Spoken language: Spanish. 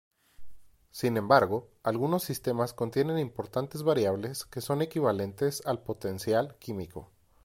Sin embargo, algunos sistemas contienen importantes variables que son equivalentes al potencial químico.